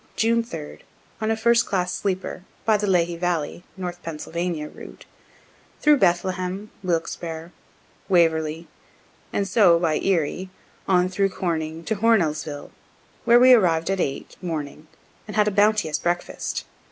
June 3, on a first class sleeper, by the Lehigh Valley (North Pennsylvania) route, through Bethlehem, Wilkesbarre, Waverly, and so (by Erie) on through Corning to Hornellsville, where we arrived at 8, morning, and had a bounteous breakfast.